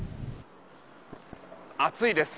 暑いです。